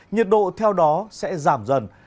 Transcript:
nhiệt độ theo đó sẽ giảm dần